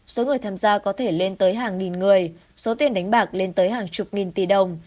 số người tham gia có thể lên tới hàng nghìn người số tiền đánh bạc lên tới hàng chục nghìn tỷ đồng